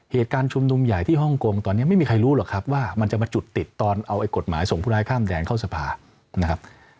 เหตุการณ์ชุมนุมใหญ่ที่ฮ่องกงตอนนี้ไม่มีใครรู้หรอกครับว่ามันจะมาจุดติดตอนเอากฎหมายส่งผู้ร้ายข้ามแดนเข้าสภานะครับ